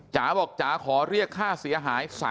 จ๋าบอกจ๋าขอเรียกค่าเสียหาย๓๐๐